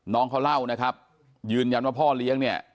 น้องเขาเล่านะครับยืนยันว่าพ่อเลี้ยงเนี่ย